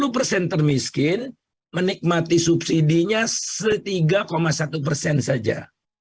sepuluh persen termiskin menikmati subsidinya tiga satu persen saja